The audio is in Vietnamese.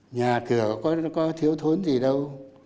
nhà cửa có thiếu thốn gì đâu